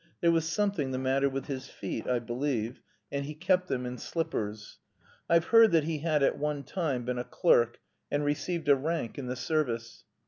There was something the matter with his feet, I believe, and he kept them in slippers. I've heard that he had at one time been a clerk, and received a rank in the service.